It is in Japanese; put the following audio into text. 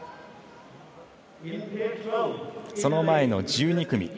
その前の１２組。